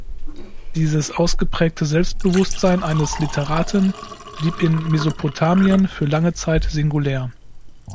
Dieses ausgeprägte Selbstbewusstsein eines Literaten blieb in Mesopotamien für lange Zeit singulär.